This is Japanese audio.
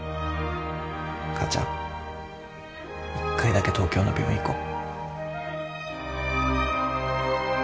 母ちゃん一回だけ東京の病院行こう。